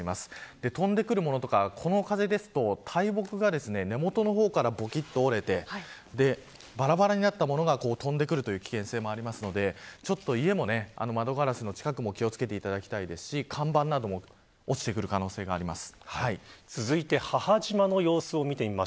飛んで来るものとかこの風ですと、大木が根元の方からぼきっと折れてばらばらになったものが飛んでくる危険性もありますので家も、窓ガラスの近くも気を付けていただきたいですし看板なども落ちてくる可能性があります。